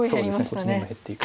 こっちの方が減っていく。